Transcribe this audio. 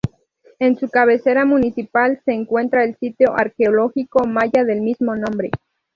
En su cabecera municipal se encuentra el sitio arqueológico maya del mismo nombre.